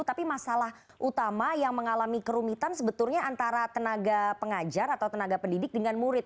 tapi masalah utama yang mengalami kerumitan sebetulnya antara tenaga pengajar atau tenaga pendidik dengan murid